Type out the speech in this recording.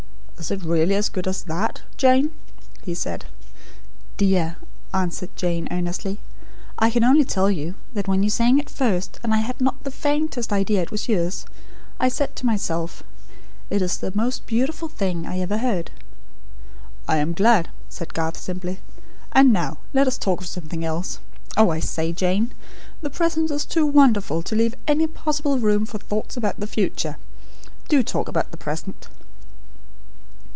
"Is it really as good as that, Jane?" he said. "Dear," answered Jane, earnestly, "I can only tell you, that when you sang it first, and I had not the faintest idea it was yours, I said to myself: 'It is the most beautiful thing I ever heard.'" "I am glad," said Garth, simply. "And now, let's talk of something else. Oh, I say, Jane! The present is too wonderful, to leave any possible room for thoughts about the future. Do talk about the present."